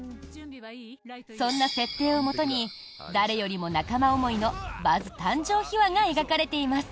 そんな設定をもとに誰よりも仲間思いのバズ誕生秘話が描かれています。